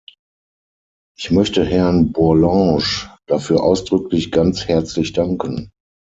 Ich möchte Herrn Bourlanges dafür ausdrücklich ganz herzlich danken.